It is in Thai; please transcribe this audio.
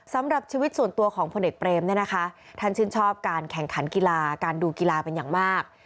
สำหรับชีวิตส่วนตัวของพลเอกเปรมเนี่ยนะคะท่านชื่นชอบการแข่งขันกีฬาการดูกีฬาเป็นอย่างมาก